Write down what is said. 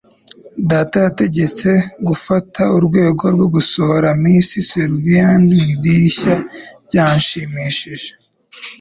Data yategetswe gufata urwego no gusohora Miss Sullivan mu idirishya - byanshimishije.